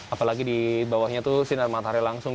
apalagi di bawahnya itu sinar matahari langsung